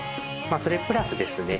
それプラスですね